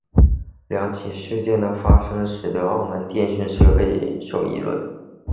两起事件的发生使得澳门电讯备受议论。